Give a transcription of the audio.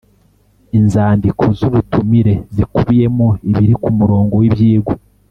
Inzandiko z’ubutumire zikubiyemo ibiri ku murongo w’ibyigwa